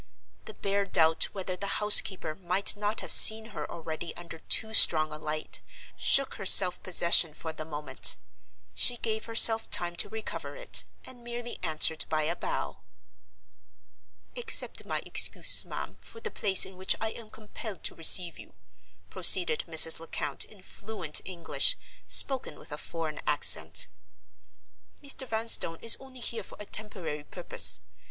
The bare doubt whether the housekeeper might not have seen her already under too strong a light shook her self possession for the moment. She gave herself time to recover it, and merely answered by a bow. "Accept my excuses, ma'am, for the place in which I am compelled to receive you," proceeded Mrs. Lecount in fluent English, spoken with a foreign accent. "Mr. Vanstone is only here for a temporary purpose.